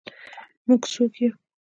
موږ څوک یو؟